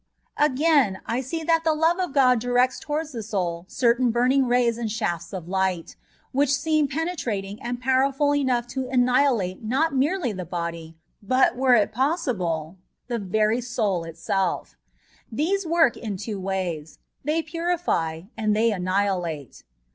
Again, I see that the love of God directs towards the soul certain buming rays and shafts of light, which seem penetrating and powerful enough to an 14 A TEEATISB ON PURGATOBY. nihilate not merely the body, but, were it possible, the very soul itself. These work intwo ways ; they pnrìfy, and they .annihilate.